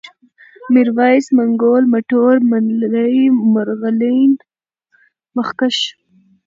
ميرويس ، منگول ، مټور ، منلی ، مرغلين ، مخکښ